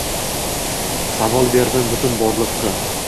Savol berdim butun borliqqa